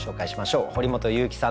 堀本裕樹さんです。